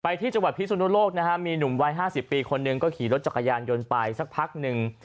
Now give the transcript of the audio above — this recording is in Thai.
ที่จังหวัดพิสุนโลกนะฮะมีหนุ่มวัย๕๐ปีคนหนึ่งก็ขี่รถจักรยานยนต์ไปสักพักหนึ่ง